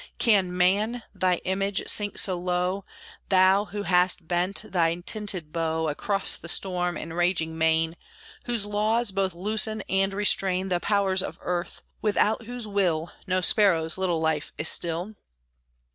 Can man, Thy image, sink so low, Thou, who hast bent Thy tinted bow Across the storm and raging main; Whose laws both loosen and restrain The powers of earth, without whose will No sparrow's little life is still?